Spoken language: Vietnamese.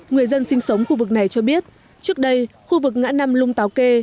người dân sinh sống khu vực này cho biết trước đây khu vực ngã năm lung táo kê